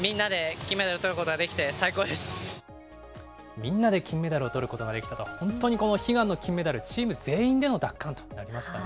みんなで金メダルをとることができたと、本当に悲願の金メダル、チーム全員での奪還となりましたね。